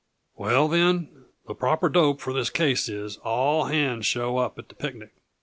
"Well, then, the proper dope for this case is, all hands show up at the picnic."